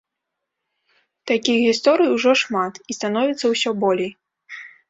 Такіх гісторый ужо шмат, і становіцца ўсё болей.